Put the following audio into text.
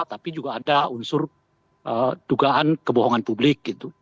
tapi juga ada unsur dugaan kebohongan publik gitu